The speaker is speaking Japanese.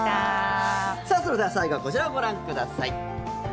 それでは最後はこちらをご覧ください。